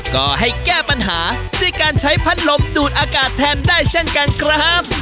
ก็ให้แก้ปัญหาด้วยการใช้พัดลมดูดอากาศแทนได้เช่นกันครับ